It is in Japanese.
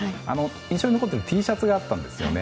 印象に残っているＴシャツがあったんですよね。